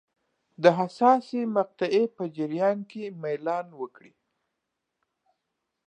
د حساسې مقطعې په جریان کې میلان وکړي.